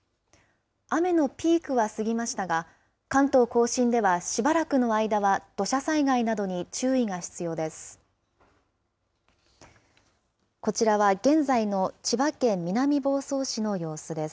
雨のピークは過ぎましたが、関東甲信ではしばらくの間は土砂災害などに注意が必要です。